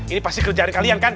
ini pasti kerjaan kalian kan